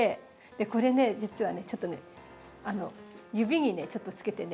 これね実はねちょっとね指にねちょっとつけてね。